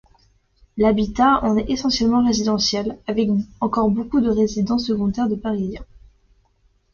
L'habitat en est essentiellement résidentiel, avec encore beaucoup de résidences secondaires de Parisiens.